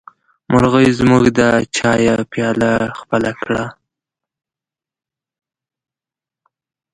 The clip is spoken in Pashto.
مرغۍ زموږ د چايه پياله خپله کړه.